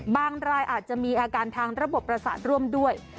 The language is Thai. รายอาจจะมีอาการทางระบบประสาทร่วมด้วย